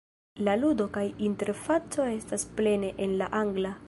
La ludo kaj interfaco estas plene en la Angla.